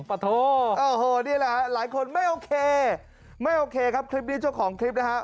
โอ้โหนี่แหละหลายคนไม่โอเคไม่โอเคครับคลิปนี้เจ้าของคลิปนะฮะ